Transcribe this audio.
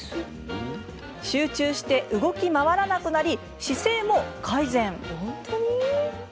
集中して動き回らなくなり姿勢も改善。